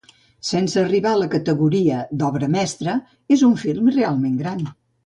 Sense arribar a la categoria d'obra mestra, és un film realment gran.